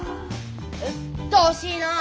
うっとうしいのぉ。